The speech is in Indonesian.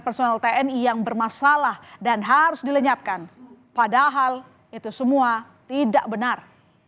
personel tni yang bermasalah dan harus dilenyapkan padahal itu semua tidak benar